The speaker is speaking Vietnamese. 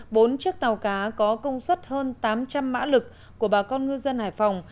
bốn chiếc tàu cá có công suất hơn tám trăm linh mã lực của bà con ngư dân hải phòng